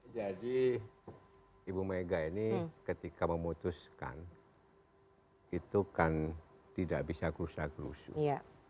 jadi ibu mega ini ketika memutuskan itu kan tidak bisa kursa kursu